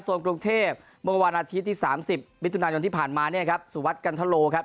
ส่วนกรุงเทพฯมันวันอาทิตย์ที่สามสิบวิทยุนายนที่ผ่านมานี่ครับสุวรรษกันทะโลครับ